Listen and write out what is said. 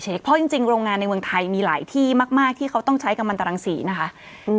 เพราะจริงโรงงานในเมืองไทยมีหลายที่มากมากที่เขาต้องใช้กำลังตรังศรีนะคะ